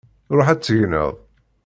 Ṛuḥ ad tegneḍ!